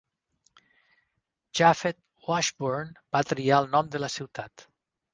Japheth Washburn va triar el nom de la ciutat.